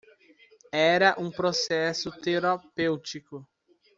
Era um processo terapêutico.